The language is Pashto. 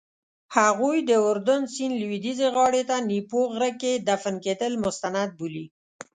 هغوی د اردن سیند لویدیځې غاړې ته نیپو غره کې دفن کېدل مستند بولي.